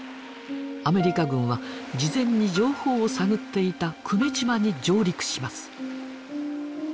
アメリカ軍は事前に情報を探っていた久米島に上陸します。